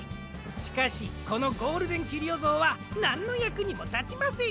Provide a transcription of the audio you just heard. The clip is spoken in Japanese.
しかしこのゴールデンキュリオぞうはなんのやくにもたちません！